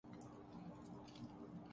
لو جی ہمیں کوئی فارسی پڑھائی جاتی ہے